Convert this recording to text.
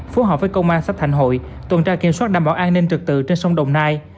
phố họp với công an sắp thạnh hội tuần tra kiểm soát đảm bảo an ninh trực tự trên sông đồng nai